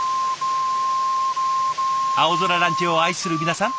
青空ランチを愛する皆さん